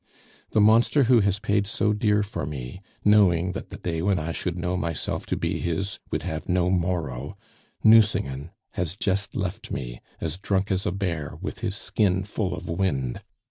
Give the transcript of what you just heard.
"The monster who has paid so dear for me, knowing that the day when I should know myself to be his would have no morrow Nucingen has just left me, as drunk as a bear with his skin full of wind.